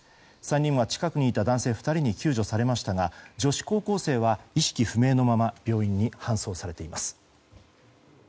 ３人は近くにいた男性２人に救助されましたが女子高校生は意識不明のまま病院に搬送されています。